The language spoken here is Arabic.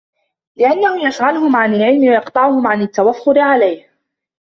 لِأَنَّهُ يَشْغَلُهُمْ عَنْ الْعِلْمِ وَيَقْطَعُهُمْ عَنْ التَّوَفُّرِ عَلَيْهِ